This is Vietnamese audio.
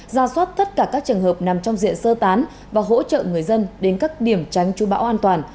ra soát tất cả các trường hợp nằm trong diện sơ tán và hỗ trợ người dân đến các điểm tránh chú bão an toàn